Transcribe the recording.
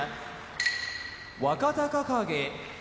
若隆景